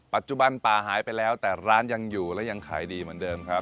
ปัจจุบันป่าหายไปแล้วแต่ร้านยังอยู่และยังขายดีเหมือนเดิมครับ